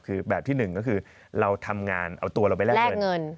คือแบบที่หนึ่งก็คือเราทำงานเอาตัวเราไปแลกเงิน